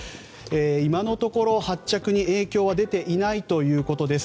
今のところ、発着に影響は出ていないということです。